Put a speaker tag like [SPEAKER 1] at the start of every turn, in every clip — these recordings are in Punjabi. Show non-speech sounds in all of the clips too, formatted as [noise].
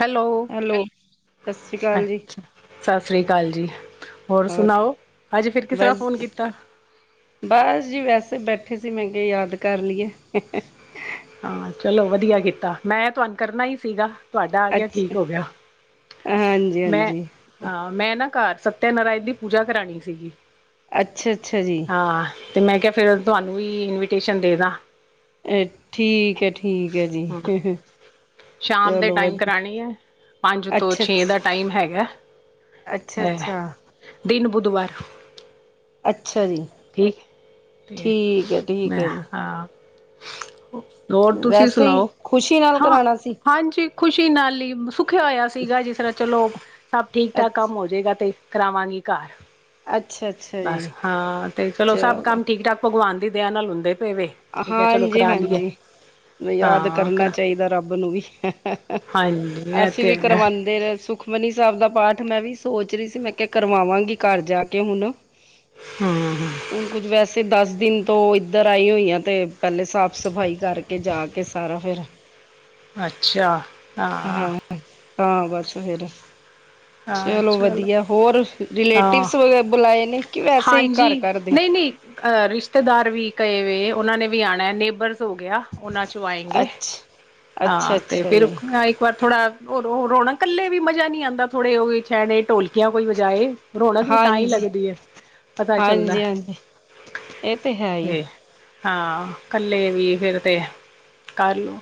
[SPEAKER 1] ਹੈਲੋ!
[SPEAKER 2] ਹੈਲੋ ਸਤਿ ਸ਼੍ਰੀ ਅਕਾਲ ਜੀ
[SPEAKER 1] ਅਛਾ, ਸਤਿ ਸ੍ਰੀ ਅਕਾਲ ਜੀ। ਹੋਰ ਸੁਣਾਓ! ਅੱਜ ਫਿਰ ਕਿਸ ਤਰ੍ਹਾਂ
[SPEAKER 2] ਬਸ
[SPEAKER 1] ਫੋਨ ਕੀਤਾ?
[SPEAKER 2] ਬਸ ਜੀ, ਵੈਸੇ ਬੈਠੇ ਸੀ। ਮੈਂ ਕਿਹਾ ਯਾਦ ਕਰ ਲਈਏ।
[SPEAKER 1] ਹਾਂ, ਚਲੋ ਵਧੀਆ ਕੀਤਾ। ਮੈਂ ਤੁਹਾਨੂੰ ਕਰਨਾ ਹੀ ਸੀਗਾ। ਤੁਹਾਡਾ ਆ ਗਿਆ
[SPEAKER 2] ਅੱਛਾ
[SPEAKER 1] ਠੀਕ ਹੋ ਗਿਆ।
[SPEAKER 2] ਹਾਂਜੀ
[SPEAKER 1] ਮੈਂ-
[SPEAKER 2] ਹਾਂਜੀ
[SPEAKER 1] ਹਾਂ, ਮੈਂ ਨਾ ਘਰ। ਸਤਿਆਨਾਰਾਇਣ ਦੀ ਪੂਜਾ ਕਰਾਣੀ ਸੀਗੀ।
[SPEAKER 2] ਅੱਛਾ ਅੱਛਾ ਜੀ
[SPEAKER 1] ਹਾਂ, ਤੇ ਮੈਂ ਕਿਹਾ ਫੇਰ ਤੁਹਾਨੂੰ ਵੀ ਇਨਵੀਟੇਸ਼ਨ ਦੇ ਦਾ।
[SPEAKER 2] ਇਹ ਠੀਕ ਹੈ, ਠੀਕ ਹੈ ਜੀ,
[SPEAKER 1] ਹੂੰ,
[SPEAKER 2] ਹ- ਹ।
[SPEAKER 1] ਸ਼ਾਮ ਦੇ ਟਾਈਮ ਕਰਾਉਣੇ ਹੈ। ਪੰਜ ਤੋਂ
[SPEAKER 2] ਅੱਛਾ
[SPEAKER 1] ਛੇ ਦਾ
[SPEAKER 2] ਅੱਛਾ
[SPEAKER 1] ਟਾਈਮ ਹੈਗਾ।
[SPEAKER 2] ਅੱਛਾ -ਅੱਛਾ।
[SPEAKER 1] ਦੁਵਾਰ।
[SPEAKER 2] ਅੱਛਾ ਜੀ
[SPEAKER 1] [inaudible] ਠੀਕ,
[SPEAKER 2] ਠੀਕ ਹੈ ਠੀਕ
[SPEAKER 1] ਮੈਂ
[SPEAKER 2] ਹੈ ਜੀ
[SPEAKER 1] ਹਾ। ਹੋਰ ਤੁਸੀਂ
[SPEAKER 2] ਵੈਸੇ ਹੀ
[SPEAKER 1] ਸੁਣਾਓ?
[SPEAKER 2] ਖੁਸ਼ੀ ਨਾਲ
[SPEAKER 1] ਹਾਂ
[SPEAKER 2] ਕਰਾਉਣਾ ਸੀ
[SPEAKER 1] -ਹਾਂਜੀ। ਖੁਸ਼ੀ ਨਾਲ ਹੀ ਸੁੱਖਿਆ ਹੋਇਆ ਸੀਗਾ ਜਿਸ ਤਰ੍ਹਾਂ ਚਲੋ ਸਭ ਠੀਕ ਠਾਕ
[SPEAKER 2] ਅੱਛਾ
[SPEAKER 1] ਕੰਮ ਹੋ ਜਾਏਗਾ ਤੇ। ਕਰਾਵਾਂਗੀ ਘਰ,
[SPEAKER 2] ਅੱਛਾ ਅੱਛਾ
[SPEAKER 1] ਬਸ
[SPEAKER 2] ਜੀ
[SPEAKER 1] ਹਾਂ ਤੇ ਚਲੋ ਸਭ ਕੰਮ ਠੀਕ- ਠਾਕ ਭਗਵਾਨ। ਦੀ ਦਆ ਨਾਲ ਹੁੰਦੇ ਪਏਵੇ ਠੀਕ ਹੈ, ਚਲੋ
[SPEAKER 2] ਹਾਂਜੀ
[SPEAKER 1] ਕਰਾ ਲਈਏ।
[SPEAKER 2] ਹਾਂਜੀ ਯਾਦ
[SPEAKER 1] ਹਾਂ
[SPEAKER 2] ਕਰਨਾ
[SPEAKER 1] ਕਰਾ
[SPEAKER 2] ਚਾਹੀਦਾ ਰੱਬ ਨੂੰ ਵੀ। ਹ -ਹ -ਹ,
[SPEAKER 1] ਹਾਂਜੀ ਇਹ
[SPEAKER 2] ਅਸੀਂ
[SPEAKER 1] ਤੇ
[SPEAKER 2] ਵੀ
[SPEAKER 1] ਹੈਗਾ
[SPEAKER 2] ਕਰਵਾਉਦੇ ਰ ਸੁਖਮਨੀ ਸਾਹਿਬ ਦਾ ਪਾਠ ਮੈਂ ਵੀ ਸੋਚ ਰਹੀ ਸੀ। ਮੈਂ ਕਿਹਾ ਕਰਵਾਵਾਂਗੀ ਘਰ ਜਾ ਕੇ ਹੁਣ।
[SPEAKER 1] ਹਮ ਹਮ
[SPEAKER 2] ਹੁਣ ਕੁੱਝ ਵੈਸੇ ਦਸ ਦਿਨ ਤੋਂ ਇੱਧਰ ਆਈ ਹੋਈ ਆ। ਤੇ ਪਹਿਲੇ ਸਾਫ਼- ਸਫ਼ਾਈ ਕਰਕੇ ਜਾ ਕੇ ਸਾਰਾ ਫਿਰ।
[SPEAKER 1] ਅੱਛਾ ਹਾਂ।
[SPEAKER 2] ਤਾਂ ਹਾਂ, ਬਸ ਫੇਰ। ਚਲੋ ਵਧੀਆ ਹੋਰ
[SPEAKER 1] ਹਾਂ
[SPEAKER 2] ਰਿਲੇਟਿਵਸ ਬੁਲਾਏ ਨੇ ਕਿ ਵੈਸੇ ਹੀ ਘਰ ਘਰਦੇ।
[SPEAKER 1] ਅਹ ਰਿਸ਼ਤੇਦਾਰ ਵੀ ਕਹੇ ਵਏ ਉਹਨਾਂ ਨੇ ਵੀ ਆਉਣਾ ਨੇਬਰ। ਹੋ ਗਿਆ ਉਹਨਾਂ ਚੋਂ ਆਏਂਗੇ
[SPEAKER 2] ਅੱਛਾ ਅੱਛਾ
[SPEAKER 1] ਹਾਂ ਤੇ
[SPEAKER 2] ਅੱਛਾ
[SPEAKER 1] ਫਿਰ
[SPEAKER 2] ਜੀ
[SPEAKER 1] ਇੱਕ ਵਾਰ ਥੋੜਾ। ਹੋ ਉਹ ਰੋਣਾ ਇਕੱਲੇ ਵੀ ਮਜ਼ਾ ਨੀ ਆਉਂਦਾ ਥੋੜ੍ਹੇ ਛਣੇ ਢੋਲਕੇ। ਜਾਂ ਕੋਈ ਬਜਾਏ ਰੌਣਕ ਵੀ ਤਾਂ ਹੀ
[SPEAKER 2] ਹਾਂਜੀ
[SPEAKER 1] ਲੱਗਦੀ ਹੈ ਪਤਾ ਚੱਲਦਾ।
[SPEAKER 2] ਹਾਂਜੀ ਹਾਂਜੀ ਇਹ ਤੇ ਹੈ ਹੀ!
[SPEAKER 1] ਹਾਂ ਕੱਲੇ ਵੀ ਫੇਿਰ ਤੇ ਕਰਲਓ।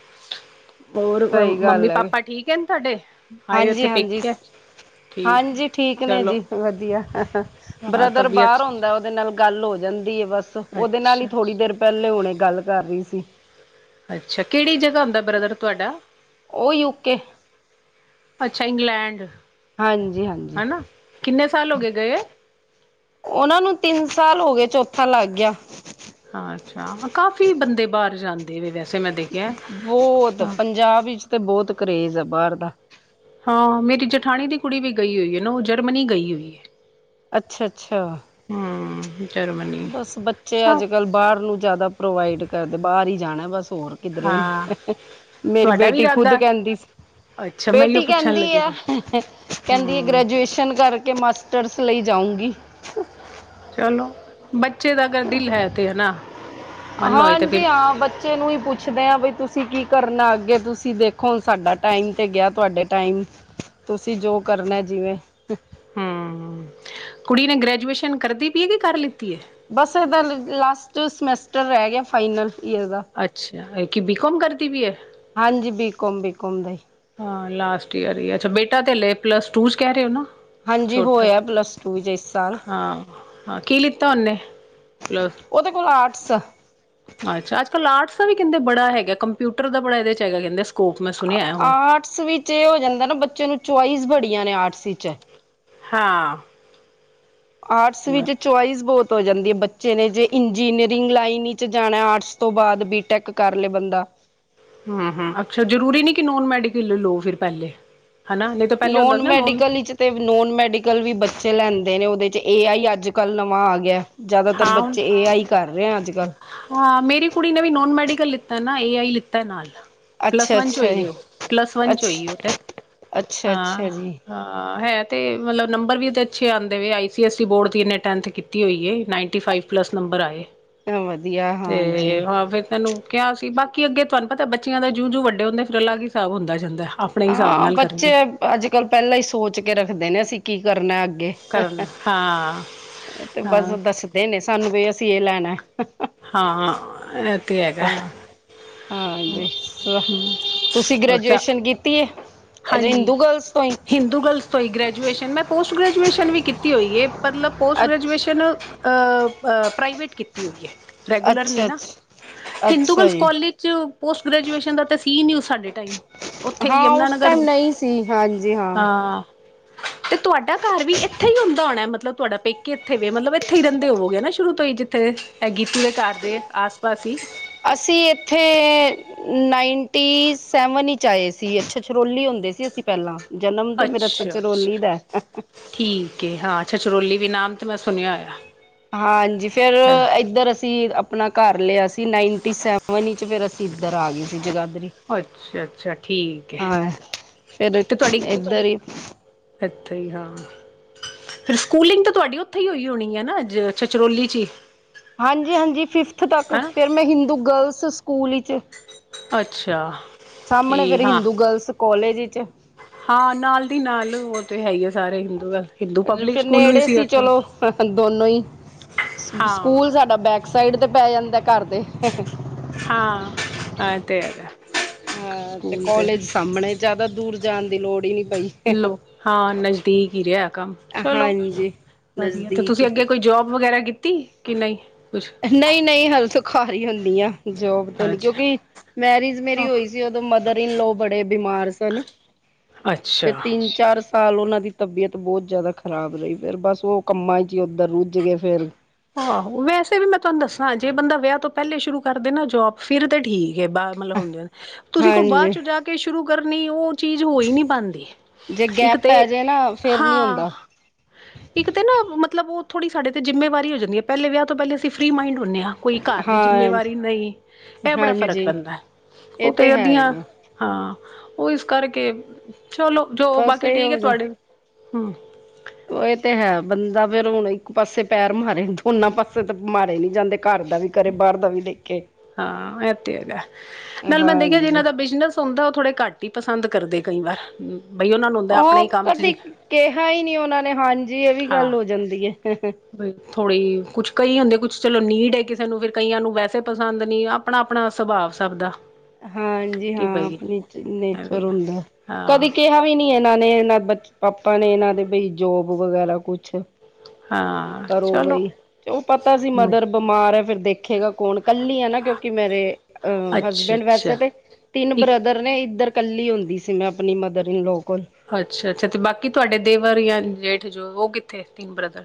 [SPEAKER 1] ਹੋਰ
[SPEAKER 2] ਸਹੀ
[SPEAKER 1] ਮੰਮੀ
[SPEAKER 2] ਗੱਲ ਹੈ
[SPEAKER 1] ਪਾਪਾ ਠੀਕ ਹੈ ਤੁਹਾਡੇ ਆਏ ਓਥੇ
[SPEAKER 2] ਹਾਂਜੀ ਹਾਂਜੀ
[SPEAKER 1] ਪੇਖੇਿਆ।
[SPEAKER 2] ਹਾਂਜੀ ਠੀਕ ਨੇ ਜੀ ਵਧੀਆ
[SPEAKER 1] ਹਾਂ
[SPEAKER 2] ਬ੍ਰਦਰ ਬਾਹਰ
[SPEAKER 1] ਤਬੀਅਤ
[SPEAKER 2] ਆਉਦਾ ਉਹਦੇ ਨਾਲ ਗੱਲ ਹੋ ਜਾਂਦੀ। ਬਸ ਉਹਦੇ ਨਾਲ ਹੀ
[SPEAKER 1] ਅੱਛਾ
[SPEAKER 2] ਥੋੜ੍ਹੀ ਦੇਰ ਪਹਿਲੇ ਹੁਣੇ ਗੱਲ ਕਰ ਰਹੀ ਸੀ।
[SPEAKER 1] ਅੱਛਾ ਕਿਹੜੀ ਜਗ੍ਹਾ ਹੁੰਦਾ ਬ੍ਰਦਰ ਤੁਹਾਡਾ।
[SPEAKER 2] ਉਹ ਯੂਕੇ।
[SPEAKER 1] ਅੱਛਾ ਇੰਗਲੈਂਡ।
[SPEAKER 2] ਹਾਂਜੀ ਹਾਂਜੀ।
[SPEAKER 1] ਕਿੰਨਾ ਸਾਲੋਗੇ ਗਏ।
[SPEAKER 2] ਉਹਨਾਂ ਨੂੰ ਤਿੰਨ ਸਾਲ ਹੋ ਗਏ ਚੌਥਾ ਲੱਗ ਗਿਆ।
[SPEAKER 1] ਅੱਛਾ ਕਾਫ਼ੀ ਬੰਦੇ ਬਾਹਰ ਜਾਂਦੇ ਵ ਵੈਸੇ ਮੈਂ ਦੇਖ।
[SPEAKER 2] ਬਹੁਤ ਪੰਜਾਬ ਵਿਚ ਤੇ ਬਹੁਤ ਕਰੇਜ ਹੈ ਬਾਹਰ ਦਾ।
[SPEAKER 1] ਹਾਂ ਮੇਰੀ ਜਠਾਣੀ ਦੀ ਕੁੜੀ ਵੀ ਗਈ ਹੋਈ ਹੈ ਨਾ ਉਹ ਜਰਮਨੀ ਗਈ ਹੋਈ ਹੈ।
[SPEAKER 2] ਅੱਛਾ-ਅੱਛਾ।
[SPEAKER 1] ਹਮ ਜਰਮਨੀ
[SPEAKER 2] ਬਸ ਬੱਚੇ
[SPEAKER 1] ਸਭ
[SPEAKER 2] ਅੱਜ ਕੱਲ ਬਾਹਰ ਨੂੰ ਜਿਆਦਾ ਪ੍ਰੋਵਾਈਡ ਕਰਦੇ ਬਾਹਰ ਹੀ ਜਾਣਾ ਬਸ। ਹੋਰ ਕਿਧਰੇ
[SPEAKER 1] ਹਾਂ
[SPEAKER 2] ਮੇਰੀ
[SPEAKER 1] ਤੁਹਾਡਾ ਵੀ
[SPEAKER 2] ਬੇਟੀ ਖੁਦ
[SPEAKER 1] ਇਰਾਦਾ
[SPEAKER 2] ਕਹਿੰਦੀ ਸੀ।
[SPEAKER 1] ਅੱਛਾ ਮੈਂ ਇਓ
[SPEAKER 2] ਬੇਟੀ
[SPEAKER 1] ਪੁੱਛਣ
[SPEAKER 2] ਕਹਿੰਦੀ
[SPEAKER 1] ਲੱਗੀ
[SPEAKER 2] ਆ
[SPEAKER 1] ਸੀ
[SPEAKER 2] ਕਹਿੰਦੀ ਹੈ
[SPEAKER 1] ਹਮ
[SPEAKER 2] ਗ੍ਰੈਜੂਏਸ਼ਨ ਕਰਕੇ ਮਾਸਟਰਸ ਲਈ। ਜਾਊਂਗੀ।
[SPEAKER 1] ਚਲੋ ਬੱਚੇ ਦਾ ਅਗਰ ਦਿਲ ਹੈ ਤੇ ਹਨਾ। ਮਨ ਹੋਏ ਤੇ
[SPEAKER 2] ਹਾਂਜੀ
[SPEAKER 1] ਫਿਰ
[SPEAKER 2] ਹਾਂ ਬੱਚੇ ਨੂੰ ਹੀ ਪੁੱਛਦੇ ਆ ਬਈ ਤੁਸੀਂ ਕੀ ਕਰਨਾ। ਅੱਗੇ ਤੁਸੀਂ ਦੇਖੋ ਹੁਨ ਸਾਡਾ ਟਾਈਮ ਤੇ ਗਿਆ ਤੁਹਾਡੇ ਟਾਈਮ। ਤੁਸੀਂ ਜੋ ਕਰਨਾ ਜਿਵੇਂ।
[SPEAKER 1] ਹਮ ਕੁੜੀ ਨੇ ਗ੍ਰੈਜੂਏਸ਼ਨ ਕਰਦੀ ਪਈ ਹੈ ਕਿ ਕਰ ਲਿੱਤੀ ਏ।
[SPEAKER 2] ਬਸ ਇਹਦਾ ਲ ਲਾਸਟ ਸਮੈਟਰ ਰਹਿ ਗਿਆ ਫਾਈਨਲ। ਬੀ ਏ ਦਾ
[SPEAKER 1] ਅੱਛਾ ਕਿ ਬੀਕੋਮ ਕਰਦੀ ਪਈ ਹੈ।
[SPEAKER 2] ਹਾਂਜੀ ਬੀਕੋਮ ਬੀ।
[SPEAKER 1] ਹਾਂ ਲਾਸਟ ਈਅਰ ਹੀ ਅੱਛਾ ਬੇਟਾ ਤੇ ਹਲੇ ਪਲੱਸ ਟੂ ਚ ਕਹਿ ਰਹੇ ਹੋ ਨਾ।
[SPEAKER 2] ਹਾਂਜੀ
[SPEAKER 1] ਛੋਟਾ
[SPEAKER 2] ਹੋਇਆ ਪਲੱਸ ਟੂ ਵਿੱਚ ਇਸ ਸਾਲ
[SPEAKER 1] ਹਾਂ-ਹਾਂ ਕਿ ਲਿੱਤਾ ਓਹਨੇ।
[SPEAKER 2] ਉਹਦੇ ਕੋਲ ਆਰਟਸ ਆ।
[SPEAKER 1] ਅੱਛਾ ਅੱਜ ਕੱਲ ਆਰਟਸ ਦਾ ਵੀ ਕਹਿੰਦੇ ਬੜਾ ਹੈਗਾ ਕੰਪਿਊਟਰ ਦਾ ਬੜਾ ਇਹਦੇ ਚ ਹੈਗਾ ਕਹਿੰਦੇ। ਸਕੋਪ ਮੈਂ ਸੁਣਿਆ ਹੁਣ।
[SPEAKER 2] ਆਰਟਸ ਵਿਚ ਇਹ ਹੋ ਜਾਂਦਾ ਨਾ ਬੱਚੇ ਨੂੰ ਚੁਆਇਸ ਬੜੀਆਂ ਨੇ ਆਰਟਸ ਵਿੱਚ।
[SPEAKER 1] ਹਾਂ।
[SPEAKER 2] ਆਰਟਸ ਵਿੱਚ ਚੁਆਇਸ ਬਹੁਤ। ਹੋ ਜਾਂਦੀ ਹੈ ਬੱਚੇ ਨੇ ਜੇ ਇੰਜੀਨੀਅਰਿੰਗ ਲਾਈਨ ਵਿਚ ਜਾਣਾ ਆਰਟਸ ਤੋਂ ਬਾਅਦ ਬੀਟੈਕ ਕਰ ਲੇ ਬੰਦਾ।
[SPEAKER 1] ਹਮ-ਹਮ ਅਕਸਰ ਜਰੂਰੀ ਨਹੀਂ ਕਿ ਨੋਨ ਮੈਡੀਕਲ ਲਓ ਫਿਰ ਪਹਿਲੇ। ਹਨਾ ਨਹੀਂ ਤਾਂ ਪਹਿਲੇ ਹੁੰਦਾ
[SPEAKER 2] ਨੋਨ
[SPEAKER 1] ਸੀ ਨਾ
[SPEAKER 2] ਮੈਡੀਕਲ ਵਿਚ ਤੇ ਨੋਨ ਮੈਡੀਕਲ ਵੀ ਬੱਚੇ ਲੈਂਦੇ ਨੇ ਉਹਦੇ। ਏ ਆਈ ਅੱਜ ਕੱਲ੍ਹ ਨਵਾਂ ਆ ਗਿਆ ਜ਼ਿਆਦਾਤਰ
[SPEAKER 1] ਹਾਂ ਹੁਣ
[SPEAKER 2] ਬੱਚੇ ਏ ਆਈ ਕਰ ਰਹੇ ਆ ਅੱਜ। ਕੱਲ੍ਹ
[SPEAKER 1] ਹਾਂ ਮੇਰੀ ਕੁੜੀ ਨੇ ਵੀ ਨੋਨ ਮੈਡੀਕਲ ਲਿੱਤਾ ਨਾ ਏ ਆਈ ਲਿੱਤਾ ਨਾਲ। ਪਲੱਸ
[SPEAKER 2] ਅੱਛਾ
[SPEAKER 1] ਵੰਨ ਚ
[SPEAKER 2] ਅੱਛਾ ਜੀ
[SPEAKER 1] ਹੋਈਓ ਪਲੱਸ ਵੰਨ ਚ
[SPEAKER 2] ਅੱਛਾ
[SPEAKER 1] ਹੋਈਓ ਤੇ।
[SPEAKER 2] ਅੱਛਾ ਅੱਛਾ ਜੀ
[SPEAKER 1] ਹਾਂ-ਹਾਂ ਹੈ। ਤੇ ਮਤਲਬ ਨੰਬਰ ਵੀ ਇਹਦੇ ਅੱਛੇ ਆਉਂਦੇ ਆਈ ਸੀ ਐਸ ਬੋਰਡ ਦੀ ਇਹਨੇ ਟੈਂਥ ਕੀਤੀ ਹੋਈ ਹੈ ਨਾਏਂਟੀ ਫਾਈਵ ਪਲੱਸ ਨੰ। ਨੰਬਰ ਆਏ
[SPEAKER 2] ਵਧੀਆ
[SPEAKER 1] ਤੇ
[SPEAKER 2] ਹਾਂਜੀ
[SPEAKER 1] ਹਾਂ ਫਿਰ ਤੈਨੂੰ ਕਿਹਾ ਸੀ ਨ। ਕਿ ਅੱਗੇ ਤੁਹਾਨੂੰ ਪਤਾ ਬੱਚਿਆਂ ਦਾ ਜੂ-ਜੂ ਵੱਡੇ ਹੁੰਦੇ ਫਿਰ ਅਲੱਗ ਹੀ ਹਿਸਾਬ ਹੁੰਦਾ ਜਾਂਦਾ। ਆਪਣੇ ਹਿਸਾਬ
[SPEAKER 2] ਹਾਂ
[SPEAKER 1] ਨਾਲ
[SPEAKER 2] ਬੱਚੇ
[SPEAKER 1] ਕਰਨੇ
[SPEAKER 2] ਅੱਜ ਕੱਲ ਪਹਿਲਾਂ ਹੀ ਸੋਚ ਕੇ ਰੱਖਦੇ ਨੇ ਸੀਂ ਕੀ। ਕਰਨਾ ਅੱਗੇ ਤੇ
[SPEAKER 1] ਕਰਨ ਹਾਂ
[SPEAKER 2] ਹ-ਹ ਉਹ ਬਸ
[SPEAKER 1] ਹਾਂ
[SPEAKER 2] ਦੱਸਦੇ ਨੇ ਸਾਨੂੰ ਵੀ। ਕਿ ਇਹ ਲੈਣਾ।
[SPEAKER 1] ਹਾਂ ਇਹ ਤੇ ਹੈਗਾ।
[SPEAKER 2] ਤਾਂ ਹਾਂਜੀ ਤੁਸੀਂ ਗ੍ਰੈਜੂਏਸ਼ਨ ਕੀਤੀ
[SPEAKER 1] [unintelligible]
[SPEAKER 2] ਹੈ ਅੱਛਾ
[SPEAKER 1] ਹਾਂਜੀ
[SPEAKER 2] ਹਿੰਦੂ ਗਰਲਸ ਤੋਂ ਹੀ
[SPEAKER 1] ਹਿੰਦੂ ਗਰਲਸ ਤੋਂ ਹੀ ਗ੍ਰੈਜੂਏਸ਼ਨ ਮੈਂ ਪੋਸਟ ਗ੍ਰੈਜੂਏਸ਼ਨ ਵੀ ਕੀਤੀ ਹੋਈ ਹੈ। ਮਤਲਬ ਪੋਸਟ
[SPEAKER 2] ਅੱ
[SPEAKER 1] ਗ੍ਰੈਜੂਏਸ਼ਨ ਅ-ਅ। ਪ੍ਰਾਈਵੇਟ ਕੀਤੀ ਹੋਈ ਹੈ ਰੈਗੂਲਰ ਨਹੀਂ
[SPEAKER 2] ਅੱਛਾ
[SPEAKER 1] ਨਾ।
[SPEAKER 2] ਅੱਛਾ
[SPEAKER 1] ਹਿੰਦੂ
[SPEAKER 2] ਅੱਛਾ
[SPEAKER 1] ਗਰ੍ਲ੍ਸ
[SPEAKER 2] ਜੀ
[SPEAKER 1] ਕਾਲਜ ਚ ਪੋਸਟ ਗ੍ਰੈਜੂਏਸ਼ਨ ਦਾ ਸੀ ਨ ਉਹ ਸਾਡੇ ਟਾਈਮ। ਉੱਥੇ ਹੀ
[SPEAKER 2] ਹਾਂ ਉਸ
[SPEAKER 1] ਯਮੁਾਨਗਰ।
[SPEAKER 2] ਟਾਈਮ ਨਹੀਂ ਸੀ ਹਾਂਜੀ ਹਾਂ।
[SPEAKER 1] ਤੇ ਤੁਹਾਡਾ ਘਰ ਵੀ ਇੱਥੇ ਹੀ ਹੁੰਦਾ ਹੋਣਾ ਮਤਲਬ। ਤੁਹਾਡਾ ਪੇਕੇ ਇੱਥੇ ਵੇ ਮਤਲਬ ਇੱਥੇ ਹੀ ਰਹਿੰਦੇ ਹੋਵੋਗੇ ਨਾ ਸ਼ੁਰੂ ਤੋਂ ਹੀ ਜਿੱਥੇ ਗੀਤ ਦੇ ਘਰ ਦੇ ਆਸ ਪਾਸ ਹੀ।
[SPEAKER 2] ਅਸੀਂ ਇੱਥੇ ਨਾਈਨਟੀ ਸੈਵਨ ਵਿੱਚ ਆਏ ਸੀ ਛਛਰੋਲੀ ਹੁੰਦੇ। ਹੁੰਦੇ ਸੀ ਅਸੀਂ ਪਹਿਲਾਂ ਜਨਮ ਤੇ ਮੇਰਾ
[SPEAKER 1] ਅੱਛਾ
[SPEAKER 2] ਛਛਰੋਲੀ
[SPEAKER 1] ਅੱਛਾ
[SPEAKER 2] ਦਾ।
[SPEAKER 1] [unintelligible]
[SPEAKER 2] ਹਾਂਜੀ ਫੇਰ
[SPEAKER 1] ਹਾਂ
[SPEAKER 2] ਇੱਧਰ ਅਸੀਂ। ਆਪਣਾ ਘਰ ਲਿਆ ਸੀ ਨਾਈਨਟੀ ਸੈਵਨ ਵਿੱਚ ਫਿਰ ਅਸੀਂ ਇੱਧਰ ਆ ਗਏ ਸੀ ਜਗਾਧਰੀ।
[SPEAKER 1] ਅੱਛਾ ਅੱਛਾ ਠੀਕ ਹੈ ਤੇ ਤੁਹਾਡੀ
[SPEAKER 2] [unintelligible]
[SPEAKER 1] ਇੱਥੇ ਹੀ ਹਾਂ। ਫਿਰ ਸਕੂਲਿੰਗ ਤਾਂ ਤੁਹਾਡੀ ਉੱਥੇ ਹੀ ਹੋਈ ਹੋਣੀ ਹੈ ਨਾ ਚਚਰੋਲੀ ਚ ਹੀ
[SPEAKER 2] ਹਾਂਜੀ-ਹਾਂਜੀ ਫਿਫਥ ਤੱਕ
[SPEAKER 1] ਹੈਨਾ
[SPEAKER 2] ਫਿਰ ਮੈਂ ਹਿੰਦੂ ਗਰਲਸ ਸਕੂਲ ਵਿੱਚ
[SPEAKER 1] ਅੱਛਾ, ਕੀ
[SPEAKER 2] ਸਾਹਮਣੇ ਫੇਰ
[SPEAKER 1] ਹਾਂ
[SPEAKER 2] ਹਿੰਦੂ ਗਰਲਸ ਕਾਲਜ ਵਿੱਚ
[SPEAKER 1] ਹਾਂ ਨਾਲ ਦੀ ਨਾਲ ਉਹ ਤੇ ਹੈਗੀ ਆ ਸਾਰੇ ਹਿੰਦੂ ਹਿੰਦੂ ਪਬਲਿਕ
[SPEAKER 2] ਫੇਰ
[SPEAKER 1] ਸਕੂਲ ਵੀ
[SPEAKER 2] ਨੇੜੇ ਸੀ
[SPEAKER 1] ਉੱਥੇ
[SPEAKER 2] ਚਲੋ ਦੋਨੋ ਹੀ
[SPEAKER 1] ਹਾਂ
[SPEAKER 2] ਸਕੂਲ ਸਾਡਾ ਬੈਕ ਸਾਈਡ ਤੇ ਪੈ ਜਾਂਦਾ ਘਰ ਦੇ
[SPEAKER 1] ਹਾਂ ਇਹ ਤੇ ਹੈਗਾ
[SPEAKER 2] ਹਾਂ ਤੇ ਕਾਲਜ ਸਾਹਮਣੇ ਜ਼ਿਆਦਾ ਦੂਰ ਜਾਣ ਦੀ ਲੋੜ ਹੀ ਨੀ
[SPEAKER 1] ਲੋ ਹਾਂ ਨਜ਼ਦੀਕ ਹੀ ਰਿਹਾ ਕੰਮ ਚਲੋ
[SPEAKER 2] ਹਾਂਜੀ
[SPEAKER 1] ਵਧੀਆ ਤੇ
[SPEAKER 2] ਨਜ਼ਦੀਕ
[SPEAKER 1] ਤੁਸੀਂ
[SPEAKER 2] ਹੀ
[SPEAKER 1] ਅੱਗੇ ਕੋਈ ਜੋਬ ਵਗੈਰਾ ਕੀਤੀ ਕਿ ਨਹੀਂ ਕੁਛ
[SPEAKER 2] ਘਾਰ ਹੀ ਹੁਣੀ ਆ ਜੋਬ ਤੇ ਲਈ
[SPEAKER 1] ਅੱਛਾ
[SPEAKER 2] ਕਿਉਂਕਿ ਮੈਰਿਜ ਮੇਰੀ ਹੋਈ ਸੀ ਉਦੋਂ ਮਦਰ ਇਨਲੋ ਬੜੇ ਬਿਮਾਰ ਸਨ।
[SPEAKER 1] [unintelligible]
[SPEAKER 2] ਫੇਰ ਤਿੰਨ ਚਾਰ, ਸ ਉਹਨਾਂ ਦੀ ਤਬੀਅਤ ਬਹੁਤ ਜ਼ਿਆਦਾ ਖ਼ਰਾਬ ਰਹੀ ਫਿਰ ਬਸ ਉਹ ਕੰਮਾਂ ਚ ਹੀ ਉੱਧਰ ਰੁੱਝ ਗਏ ਫੇਰ
[SPEAKER 1] ਆਹੋ ਵੈਸੇ ਵੀ ਮੈਂ ਤੁਹਾਨੂੰ ਦੱਸਾਂ ਜੇ ਬੰਦਾ ਵਿਆਹ ਤੋਂ ਪਹਿਲੇ ਸ਼ੁਰੂ ਕਰਦੇ ਨਾ ਜੋਬ ਫਿਰ ਤਾਂ ਠੀਕ ਬਾ ਮਤਲਬ ਹੁੰਦੇ ਤੁਸੀਂ ਕੋਈ ਬਾਅਦ
[SPEAKER 2] ਹਾਂਜੀ
[SPEAKER 1] ਚ ਜਾ ਕੇ ਸ਼ੁਰੂ ਕਰਨੀ ਉਹ ਚੀਜ਼ ਹੋਈ ਨਹੀਂ ਪਾਦੀ
[SPEAKER 2] ਜੇ
[SPEAKER 1] ਇੱਕ
[SPEAKER 2] ਗੈਪ
[SPEAKER 1] ਤੇ
[SPEAKER 2] ਪੈ ਜੇ ਨਾ ਫੇਰ ਨੀ
[SPEAKER 1] ਹਾਂ
[SPEAKER 2] ਹੁੰਦਾ
[SPEAKER 1] ਇੱਕ ਤੇ ਨਾ ਮਤਲਬ ਉਹ ਥੜ੍ਹ ਸਾਡੇ ਤੇ ਜਿ਼ੰਮੇਵਾਰੀ ਜਾਂਦੀ ਹੈ ਪਹਿਲੇ ਵਿਹ ਤੋਂ ਪਹਿਲੇ ਅਸੀਂਰੀ ਮਾਈਡ ਹੁਨੇ ਆ ਕੋਈ ਘਰ ਦੀ
[SPEAKER 2] ਹਾਂ
[SPEAKER 1] ਜ਼ਿੰਮੇਵਾਰੀ ਨਹੀਂ ਇਹ ਬੜਾ ਫ਼ਰਕ
[SPEAKER 2] ਹਾਂਜੀ
[SPEAKER 1] ਪੈਂਦਾ।
[SPEAKER 2] ਇਹ
[SPEAKER 1] ਉਹ ਤੇ
[SPEAKER 2] ਹੈ
[SPEAKER 1] ਅਧੀਆਂ
[SPEAKER 2] ਹੀ ਆ
[SPEAKER 1] ਹਾਂ ਉਹ ਇਸ ਕਰਕੇ ਚਲੋ ਜੋ
[SPEAKER 2] ਬਸ
[SPEAKER 1] ਬਾਕੀ
[SPEAKER 2] ਇਹ
[SPEAKER 1] ਠੀਕ ਹੈ
[SPEAKER 2] ਹੋ ਜਾ
[SPEAKER 1] ਤੁਹਾਡੀੇ ਹੂੰ
[SPEAKER 2] ਉਹ ਇਹ ਤੇ ਹੈ ਬੰਦਾ ਫੇਿਰ ਹੁਣ ਇੱਕ ਪਾਸੇ ਪੈਰ ਮਾਰੇ ਦੋਨਾਂ ਪਾਸੇ ਤਾਂ ਮਾਰੇ ਨੀ ਜਾਂਦੇ ਘਰ ਦਾ ਵੀ ਕਰੇ ਬਾਹਰ ਦਾ ਵੀ ਦੇਖ
[SPEAKER 1] ਹਾਂ ਇਹ ਤੇ ਹੈਗਾ ਨਾਲ ਮੈਂ ਦੇਖਿਆ ਜਿਨਾਂ
[SPEAKER 2] ਹਾਂਜੀ
[SPEAKER 1] ਦਾ ਬਿਜਨਸ ਹੁੰਦਾ ਉਹ ਥੋੜੇ ਘੱਟ ਹੀ ਪਸੰਦ ਕਰਦੇ ਕਈ ਵਾਰ ਬਈ ਉਹਨਾਂ ਨੂੰ ਹੁੰਦਾ ਆਪਣੇ ਹੀ
[SPEAKER 2] ਉਹ
[SPEAKER 1] ਕੰਮ ਚ
[SPEAKER 2] ਕਦੀ ਕਿਹਾ ਹੀ ਨਹੀਂ ਉਹਨਾਂ ਨੇ ਹਾਂਜੀ ਇਹ ਵੀ ਗੱਲ ਹੋ ਜਾਂਦੀ ਹੈ
[SPEAKER 1] ਬਈ ਥੋੜ੍ਹੀ ਕੁਛ ਕਈ ਹੁੰਦੇ ਕੁਛ ਚਲੋ ਨੀਡ ਹੈ ਕਿਸੇ ਨੂੰ ਫ ਕਈਆਂ ਨੂੰ ਵੈਸੇ ਪਸੰਦ ਨੀ ਆਪਣਾ-ਆਪਣਾ ਸੁਭਾਵ ਸਭ ਦਾ
[SPEAKER 2] ਹਾਂਜੀ ਹਾਂ
[SPEAKER 1] ਕਿ ਬਈ
[SPEAKER 2] ਆਪਣੀ ਨੇਚਰ ਹੁੰਦਾ
[SPEAKER 1] ਹਾਂ
[SPEAKER 2] ਕਦੇ ਕਿਹਾ ਵੀ ਨੀ ਇਹਨਾਂ ਨੇ, ਇਹਨਾਂ ਬ ਪਾਪਾ ਨੇ ਇਹਨਾਂ ਦੇ ਬਈ ਜੋਬ ਵਗੈਰਾ ਕੁਛ
[SPEAKER 1] ਹਾਂ, ਚਲੋ
[SPEAKER 2] ਕਰੋਗੇ ਉਹ ਉਹ ਪਤਾ ਸੀ ਮਦਰ ਬਿਮਾਰ ਹੈ ਫਿਰ ਦੇਖੇਗਾ ਕੌਣ ਕੱਲੀ ਹੈ ਨਾ ਕਿਉਂਕਿ ਮੇਰੇ ਅਹ
[SPEAKER 1] ਅੱਛਾ
[SPEAKER 2] ਹਸਬੈਂਡ ਵੈਸੇ
[SPEAKER 1] ਅੱਛਾ
[SPEAKER 2] ਤੇ ਤਿੰਨ
[SPEAKER 1] ਇੱਕ
[SPEAKER 2] ਬ੍ਰਦਰ ਨੇ ਇੱਧਰ ਕੱਲੀ ਹੁੰਦੀ ਸੀ ਮੈਂ ਆਪਣੀ ਮਦਰ ਇਨਲੋ
[SPEAKER 1] ਅੱਛਾ-ਅੱਛਾ ਤੇ ਬਾਕੀ ਤੁਹਾਡੇ ਦੇਵਰ ਜਾਂ ਜੇਠ ਜੋ ਉਹ ਕਿੱਥੇ ਤਿੰਨ ਬ੍ਰਦਰ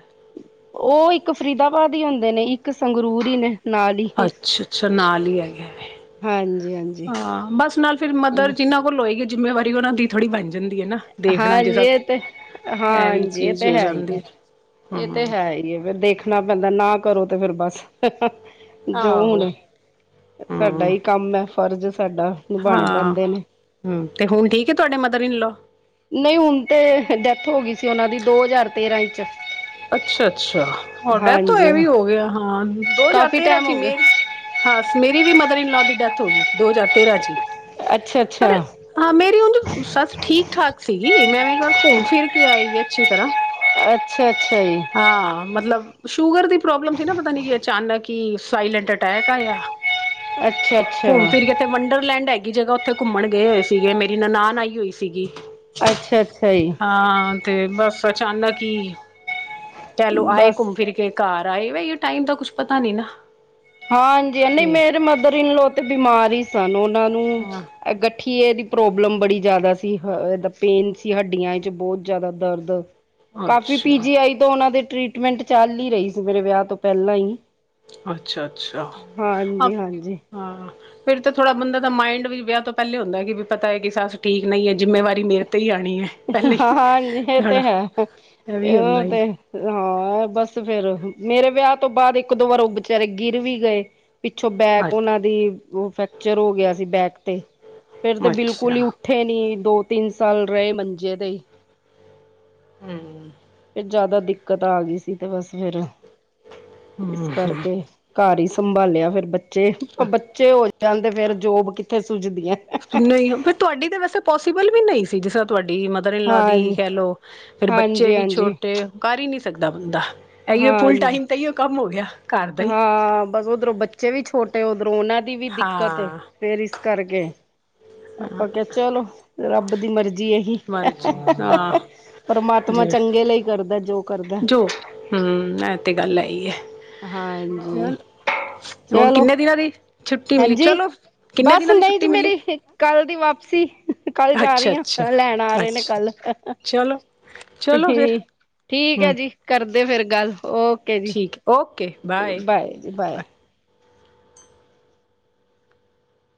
[SPEAKER 2] ਉਹ ਇੱਕ ਫਰੀਦਾਬਾਦ ਹੀ ਹੁੰਦੇ ਨੇ ਇੱਕ ਇੱਕ ਸੰਗਰੂਰ ਹੀ ਨੇ ਨਾਲ ਹੀ
[SPEAKER 1] ਅੱਛਾ ਅੱਛਾ ਨਾਲ ਹੀ ਹੈਗੇ
[SPEAKER 2] ਹਾਂਜੀ ਹਾਂਜੀ
[SPEAKER 1] ਹਾਂ ਬਸ ਨਾਲ ਫਿਰ ਮਦਰ ਜਿਹਨਾਂ ਕੋਲ ਹੋਏਗੀ ਜਿੰਮੇਵਾਰੀ ਉਹਨਾ ਦੀ ਥੋੜ੍ਹੀ ਬਣਦੀ, ਜਾਂਦੀ ਹੈ ਨਾ ਦੇਖਣਾ ਜੇ
[SPEAKER 2] ਹਾਂਜੀ
[SPEAKER 1] ਸਭ
[SPEAKER 2] ਇਹ ਤੇ
[SPEAKER 1] ਇਹ ਵੀ
[SPEAKER 2] ਹਾਂਜੀ
[SPEAKER 1] ਚੀਜ਼
[SPEAKER 2] ਤੇ
[SPEAKER 1] ਹੋ
[SPEAKER 2] ਹੈ ਹੀ ਹੈ
[SPEAKER 1] ਜਾਂਦੀ
[SPEAKER 2] ਇਹ ਤੇ
[SPEAKER 1] ਹਮ
[SPEAKER 2] ਹੈ ਹੀ ਹੈ ਫਿਰ ਦੇਖਣਾ ਪੈਂਦਾ ਨਾ ਕਰੋ ਤੇ ਫੇਰ ਬਸ ਜੋ
[SPEAKER 1] ਆਹੋ
[SPEAKER 2] ਹੁਣ ਸਾਡਾ
[SPEAKER 1] ਹਮ
[SPEAKER 2] ਹੀ ਕੰਮ ਹੈ ਫਰਜ਼ ਸਾਡਾ ਨਿਭਾਉਣੇ ਪੈਂਦੇ ਨੇ
[SPEAKER 1] ਹੂੰ ਤੇ ਹੁਣ ਠੀਕ ਤੁਹਾਡੇ ਮਦਰ ਇਨ ਲੋ
[SPEAKER 2] ਨਹੀਂ ਹੁਣ ਤਾਂ ਡੈਥ ਹੋ ਗਈ ਸੀ ਉਹਨਾਂ ਦੀ ਦੋ ਹਜ਼ਾਰ ਤੇਰ੍ਹਾਂ ਚ
[SPEAKER 1] ਅੱਛਾ-ਅੱਛਾ ਹੋਰ ਡੈਥ
[SPEAKER 2] ਹਾਂਜੀ
[SPEAKER 1] ਇਹ
[SPEAKER 2] ਹਾਂ
[SPEAKER 1] ਵੀ ਹੋ ਗਿਆ ਹਾਂ ਦੋ ਹਾਰ
[SPEAKER 2] ਕਾਫੀ
[SPEAKER 1] ਤੇਰਾਂ
[SPEAKER 2] ਟਾਈਮ
[SPEAKER 1] ਚ
[SPEAKER 2] ਹੋ
[SPEAKER 1] ਹੀ
[SPEAKER 2] ਗਿਆ
[SPEAKER 1] ਮੇਰ ਹਾਂ ਮੇਰੀ ਵੀ ਮਦਰ ਇਨਲੋਅ ਦੀ ਡੈਥ ਹੋ ਗਈ ਦੋ ਹਜ਼ਾਰ ਤੇਰਾਂ ਚ ਹੀ,
[SPEAKER 2] ਅੱਛਾ, ਅੱਛਾ
[SPEAKER 1] ਪਰ ਹਾਂ ਮੇਰੀ ਉਦੀ ਸੱਸ ਠੀਕ ਠਾਕ ਸੀਗੀ ਮੈਂ ਘੁੰਮ ਫਿਰ ਕੇ ਆਈ ਹੈ। ਅਛੀ ਤਰਾ
[SPEAKER 2] ਅੱਛਾ, ਅੱਛਾ ਜੀ
[SPEAKER 1] ਮਤਲਬ ਸ਼ੂਗਰ ਦੀ ਪ੍ਰੋਬਲਮ ਸੀ ਨਾ ਪਤਾ ਨੀ ਕੀ ਅਚਾਨਕ ਹੀ ਸਾਇਲੈਂਟ ਅਟੈਕ ਆਯਾ।
[SPEAKER 2] ਅੱਛਾ ਅੱਛਾ
[SPEAKER 1] ਘੁੰਮ ਫਿਰ ਕੇ ਇਥੇ ਵੰਡਰਲੈਂਡ ਹੈ ਈ ਹੈਗੀ ਜਗ੍ਹਾ ਉੱਥੇ ਘੁੰਮਣ ਗਏ ਹੋਏ ਸੀਗੇ, ਮੇਰੀ ਨਨਾਨ ਆਈ ਹੋਈ ਸੀਗੀ।
[SPEAKER 2] ਅੱਛਾ, ਅੱਛਾ ਜੀ
[SPEAKER 1] ਹਾਂ ਤੇ ਬਸ ਅਚਾਨਕ ਇ ਪਹਿਲੋ ਆਏ
[SPEAKER 2] ਬਸ
[SPEAKER 1] ਘੁੰਮ ਫਿਰ ਕੇ ਘਰ ਆਏ ਬ ਟਾਈਮ ਦਾ ਕੁਛ ਪਤਾ ਨੀ ਨਾ
[SPEAKER 2] ਹਾਂਜੀ, ਨਹੀਂ
[SPEAKER 1] ਕਿ
[SPEAKER 2] ਮੇਰੇ ਮਦਰ ਇਨਲੋ ਤੇ ਬਿਮਾਰ ਹੀ ਸਨ ਉਹਨਾਂ ਨੂੰ
[SPEAKER 1] ਹਾਂ
[SPEAKER 2] ਠੀਯੇ ਦੀ ਪ੍ਰੋਬਲਮ ਬੜੀ ਜ਼ਿਆਦਾ ਸੀ, ਹ ਪੇਨ ਸੀ ਹੱਡੀਆਂ ਚ ਬਹੁਤ ਜ਼ਿਆਦਾ ਦਰਦ ਕਾਫੀ
[SPEAKER 1] ਅੱਛਾ
[SPEAKER 2] ਪੀਜੀ ਆਈ ਤੋਂ ਉਹਨਾਂ ਦੇ ਟਰੀਟਮੈਂਟ ਚੱਲ ਹੀ ਰਹੀ ਸੀ ਮੇਰੇ ਵਿਆਹ ਤੋਂ ਪਹਿਲਾਂ ਹੀ।
[SPEAKER 1] ਅੱਛਾ, ਅੱਛਾ, ਅ
[SPEAKER 2] ਹਾਂਜੀ ਹਾਂਜੀ
[SPEAKER 1] ਫਿਰਰ ਥੋੜ੍ਹਾ ਬੰਦਾ ਦਾ ਮਾਇੰਡ ਵੀ ਵਿਆਹ ਤੋਂ ਪਹਿਲੇ ਹੁੰਦਾ ਕਿ ਵੀ ਪਤਾ ਹੈ, ਕਿ ਸੱਸ ਠੀਕ ਨਹੀਂ ਹੈ ਜਿੰਮੇਵਾਰੀ ਮੇਰੇ ਤੇ ਹੀ ਆਉ।
[SPEAKER 2] ਹਾਂ ਹਾਂਜੀ ਇਹ ਤੇ ਹੈ,
[SPEAKER 1] ਵੀ ਹੁੰਦਾ
[SPEAKER 2] ਇਹ
[SPEAKER 1] ਹੀ
[SPEAKER 2] ਤੇ ਹਾਂ ਬਸ ਫੇਰ ਮੇਰੇ ਵਿਆਹ ਤੋਂ ਬਾਅਦ ਇੱਕ ਦੋ ਵਾਰ ਉਹ ਬੇਚਾਰੇ ਗਿਰ ਵੀ ਗਏ ਪਿੱਛੋਂ ਬੈਕ
[SPEAKER 1] ਅੱ
[SPEAKER 2] ਉਹਨਾਂ ਦੀ ਉਹ ਫਰੈਕਚਰ ਹੋ ਗਿਆ ਸੀ, ਬੈਕ ਤੇ ਫੇਰ ਤੇ ਬਿਲਕੁਲ
[SPEAKER 1] ਅੱਛਾ
[SPEAKER 2] ਹੀ ਉੱਠੇ ਨੀ ਦੋ ਤਿੰਨ ਸਾਲ ਰਹੇ ਮੰਜੇ ਤੇ ਹੀ।
[SPEAKER 1] ਹਮ।
[SPEAKER 2] ਜਿਆਦਾ ਦਿੱਕਤ ਆ ਗਈ ਸੀ, ਤੇ ਬਸ ਫੇਿਰ ਇਸ
[SPEAKER 1] ਹਮ
[SPEAKER 2] ਕਰਕੇ ਘਰ ਹੀ ਸੰਭਾਲਿਆ ਫੇਰ ਬੱਚੇ ਬੱਚੇ ਹੋ ਜਾਂਣਦੇ ਫੇਰ ਜੋਬ ਕਿੱਥੇ ਸੁਜਦੀਆਂ।
[SPEAKER 1] ਨਹੀਂ ਫਿਰ ਤੁਹਾਡੀ ਤਾਂ ਵੈਸੇ ਪੋਸੀਬਲ ਵੀ ਨਹੀਂ ਸੀ ਜਿਸ ਤੁਹਾਡੀ ਮਦਰ ਇਨਲੋਅ
[SPEAKER 2] ਹਾਂ
[SPEAKER 1] ਦੀ ਕਹਿ ਲਓ ਫੇਰ ਬੱਚੇ
[SPEAKER 2] ਹਾਂਜੀ
[SPEAKER 1] ਵੀ
[SPEAKER 2] ਹਾਂਜੀ
[SPEAKER 1] ਛੋਟੇ ਕਰ ਹੀ ਨਹੀਂ ਸਕਦਾ ਬੰਦਾ। ਇਹੀਓ ਫੁਲ
[SPEAKER 2] ਹਾਂਜੀ।
[SPEAKER 1] ਟਾਈਮ ਤੇ ਇਹੀਓ ਹੋ ਕਮ ਹੋ ਗਿਆ। ਘਰ ਦਾ ਹੀ
[SPEAKER 2] ਹਾਂ ਬਸ ਉਓਧਰੋਂ ਬੱਚੇ ਵੀ ਛੋਟੇ ਉੱਧਰੋਂ ਉਹਨਾਂ ਦੀ ਵੀ ਦਿੱਕਤ
[SPEAKER 1] ਹਾਂ
[SPEAKER 2] ਫੇਰ ਕਰਕੇ ਆਪਾਂ ਕਿਹਾ ਚਲੋ ਰੱਬ ਦੀ ਮਰਜ਼ੀ ਏ।
[SPEAKER 1] ਮਰਜੀ ਹਾਂ ਜ
[SPEAKER 2] ਪਰਮਾਤਮਾ ਚੰਗੇ ਲਈ ਕਰਦਾ ਜੋ ਕਰਦਾ।
[SPEAKER 1] ਐ ਤਾਂ ਗੱਲ ਹੈ ਹੀ ਆ।
[SPEAKER 2] ਹਾਂਜੀ।
[SPEAKER 1] ਹੁਣ
[SPEAKER 2] ਚਲੋ
[SPEAKER 1] ਕਿੰਨੇ ਦਿਨਾਂ ਦੀ ਛੁੱਟੀ ਮਿਲੀ
[SPEAKER 2] ਹਾਂਜੀ
[SPEAKER 1] ਚਲੋ ਕਿੰਨੇ
[SPEAKER 2] ਬਸ
[SPEAKER 1] ਦਿਨਾਂ ਦੀ
[SPEAKER 2] ਨਹੀਂ ਜੀ
[SPEAKER 1] ਛੁੱਟੀ ਮਿਲੀ
[SPEAKER 2] ਮੇਰੀ ਕੱਲ ਦੀ ਵਾਪ ਵਾਪਸੀ। ਕੱਲ ਜਾ
[SPEAKER 1] ਅੱਛਾ
[SPEAKER 2] ਰਹੀ
[SPEAKER 1] ਅੱਛਾ
[SPEAKER 2] ਹ ਲੈਣ ਆ ਰਹੇ ਨੇ
[SPEAKER 1] ਅੱਛਾ
[SPEAKER 2] ਕੱਲ
[SPEAKER 1] ਚਲੋ
[SPEAKER 2] ਤੇ
[SPEAKER 1] ਚਲੋ ਫਿਰ
[SPEAKER 2] ਠੀਕ ਹੈ
[SPEAKER 1] ਹਮ
[SPEAKER 2] ਜੀ ਕਰਦੇ ਫਿਰ ਗੱਲ ਓਕੇ ਜੀ।
[SPEAKER 1] ਠੀਕ ਹੈ। ਓਕੇ
[SPEAKER 2] ਬਾਏ ਜੀ ਬਾਏ।